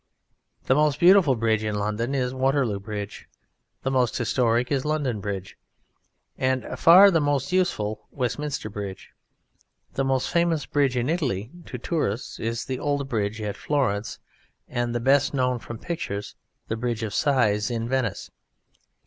The most beautiful bridge in London is Waterloo Bridge; the most historic is London Bridge; and far the most useful Westminster Bridge. The most famous bridge in Italy to tourists is the old bridge at Florence, and the best known from pictures the Bridge of Sighs in Venice.